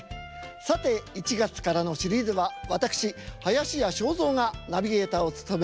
さて１月からのシリーズは私林家正蔵がナビゲーターを務めます。